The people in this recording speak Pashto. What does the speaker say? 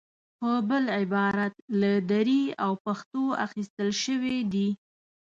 په بل عبارت له دري او پښتو اخیستل شوې دي.